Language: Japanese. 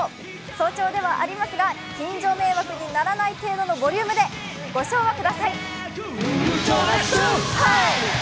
早朝ではありますが、近所迷惑にならない程度のボリュームでご唱和ください。